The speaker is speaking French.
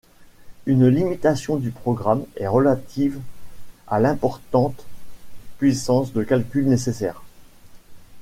Une limitation du programme est relative à l'importante puissance de calcul nécessaire.